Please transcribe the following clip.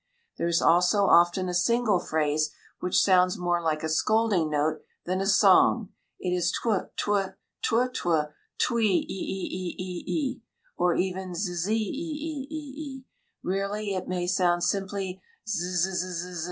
There is also often a single phrase which sounds more like a scolding note than a song. It is: "Tw', tw', tw', tw', twee'e e e e e," or even "Z z e e e e," rarely it may sound simply "Z z z z z z."